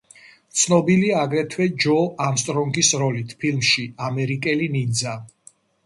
ცნობილია აგრეთვე ჯო არმსტრონგის როლით ფილმში „ამერიკელი ნინძა“.